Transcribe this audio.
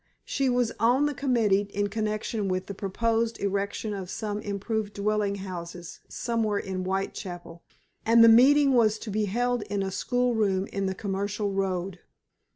She was on the committee in connection with the proposed erection of some improved dwelling houses somewhere in Whitechapel, and the meeting was to be held in a school room in the Commercial Road.